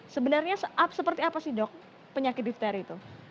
sebenarnya seperti apa sih dok penyakit difteri itu